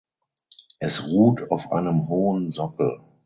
Es ruht auf einem hohen Sockel.